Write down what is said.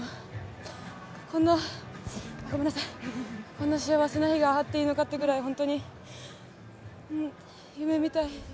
こんな、ごめんなさい、こんな幸せな日があっていいのかってぐらい、本当に夢みたい。